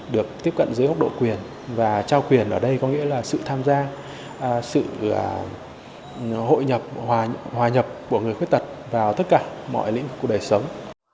được tiếp cận dưới góc độ quyền và trao quyền ở đây có nghĩa là sự tham gia sự hội nhập hòa nhập của người khuyết tật vào tất cả mọi lĩnh vực của đời sống